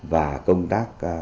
và công tác